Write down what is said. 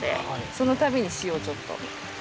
そのために塩をちょっと。